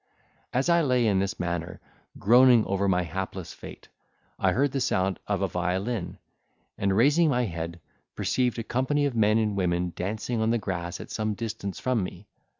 As I lay in this manner, groaning over my hapless fate, I heard the sound of a violin, and raising my head, perceived a company of men and women dancing on the grass at some distance from me.